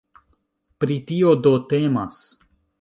Pri tio, do, temas.